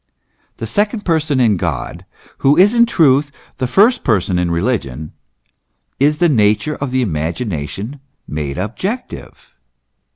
The second Person in God, who is in truth the first person in religion, is the nature of the imagination made objective.